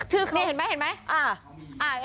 เฮรี่ยนไหมเห็นมั้ย